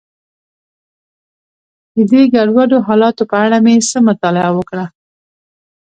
د دې ګډوډو حالاتو په اړه مې څه مطالعه وکړه.